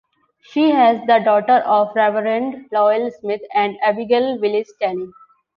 She was the daughter of Reverend Lowell Smith and Abigail Willis Tenney.